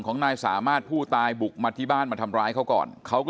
ของนายสามารถผู้ตายบุกมาที่บ้านมาทำร้ายเขาก่อนเขาก็